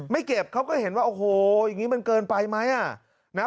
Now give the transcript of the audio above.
ไม่เก็บเขาก็เห็นว่าโอ้โหอย่างนี้มันเกินไปไหม